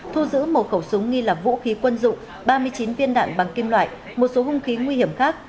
thu giữ một khẩu súng nghi là vũ khí quân dụng ba mươi chín viên đạn bằng kim loại một số hung khí nguy hiểm khác